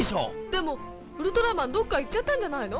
でもウルトラマンどっか行っちゃったんじゃないの？